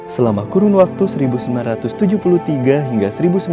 selama kurun waktu seribu sembilan ratus tujuh puluh tiga hingga seribu sembilan ratus sembilan puluh